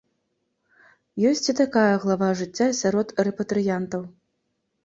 Ёсць і такая глава жыцця сярод рэпатрыянтаў.